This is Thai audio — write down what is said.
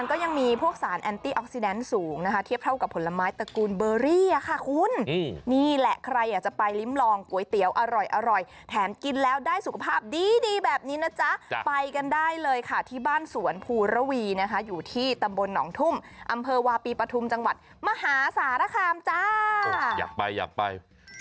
ก็ยังมีพวกสารแอนตี้ออกซิแดนสูงนะคะเทียบเท่ากับผลไม้ตระกูลเบอรี่อ่ะค่ะคุณนี่แหละใครอยากจะไปลิ้มลองก๋วยเตี๋ยวอร่อยแถมกินแล้วได้สุขภาพดีดีแบบนี้นะจ๊ะไปกันได้เลยค่ะที่บ้านสวนภูระวีนะคะอยู่ที่ตำบลหนองทุ่มอำเภอวาปีปฐุมจังหวัดมหาสารคามจ้าอยากไปอยากไป